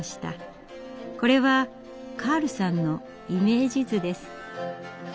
これはカールさんのイメージ図です。